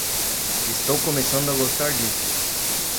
Estou começando a gostar disso.